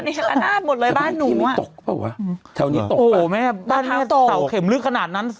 ในศาลนาบหมดเลยบ้านหนูอ่ะที่ไม่ตกเปล่าหรอแถวนี้ตกป่ะโอ้แม่บ้านนี้เต่าเข็มลึกขนาดนั้น